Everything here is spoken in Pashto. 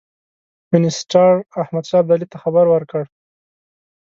وینسیټار احمدشاه ابدالي ته خبر ورکړ.